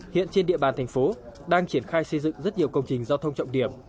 hiện trên địa bàn thành phố đang triển khai xây dựng rất nhiều công trình giao thông trọng điểm